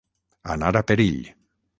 Anar a perill.